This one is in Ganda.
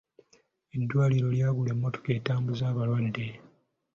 Eddwaliro lyagula emmotoka etambuza abalwadde.